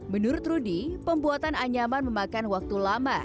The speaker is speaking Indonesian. menurut rudy pembuatan anyaman memakan waktu lama